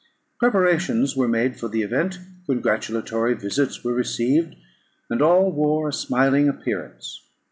Preparations were made for the event; congratulatory visits were received; and all wore a smiling appearance.